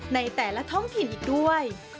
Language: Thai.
ในแต่ละท้องถิ่นอีกด้วย